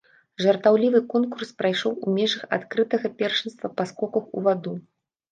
Жартаўлівы конкурс прайшоў у межах адкрытага першынства па скоках у ваду.